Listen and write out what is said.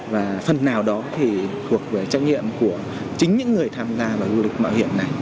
và phần nào đó thì thuộc về trách nhiệm của chính những người tham gia vào du lịch mạo hiểm này